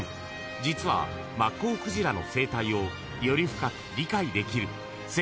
［実はマッコウクジラの生態をより深く理解できる］